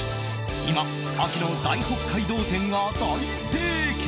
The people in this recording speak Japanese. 今、秋の大北海道展が大盛況。